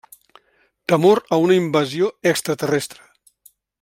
Temor a una invasió extraterrestre.